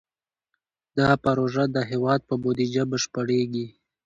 دا پروژه د هېواد په بودیجه بشپړېږي.